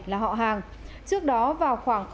là họ hàng trước đó vào khoảng